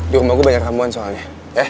di rumah gua banyak ramuan soalnya ya